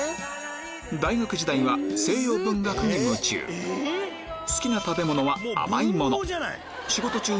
大学時代は西洋文学に夢中好きな食べ物は甘いもの